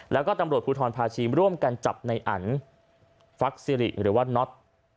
แล้วก็ตำรวจภูทรภาชีมร่วมกันจับในอันฟักซิริหรือว่าน็อต